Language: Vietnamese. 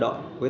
với tôi chờ đợi